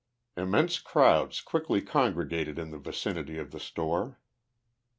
Immense crowds quickly congregated in the vicinity of the store.